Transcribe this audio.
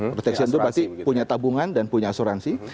protection itu pasti punya tabungan dan punya asuransi